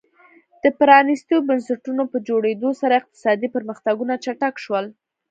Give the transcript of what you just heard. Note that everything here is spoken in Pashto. د پرانیستو بنسټونو په جوړېدو سره اقتصادي پرمختګونه چټک شول.